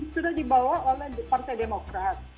sudah dibawa oleh partai demokrat